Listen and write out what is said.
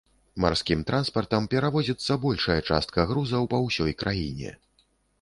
Марскім транспартам перавозіцца большая частка грузаў па ўсёй краіне.